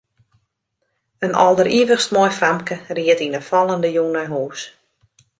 In alderivichst moai famke ried yn 'e fallende jûn nei hûs.